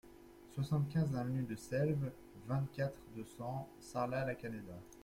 soixante-quinze avenue de Selves, vingt-quatre, deux cents, Sarlat-la-Canéda